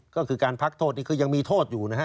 ก็คือการพักโทษนี่คือยังมีโทษอยู่นะฮะ